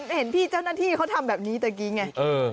เห็นพี่เจ้าหน้าที่เขาทำแบบนี้ตะกี้ไง